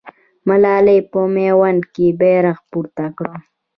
ملالۍ په میوند کې بیرغ پورته کړ.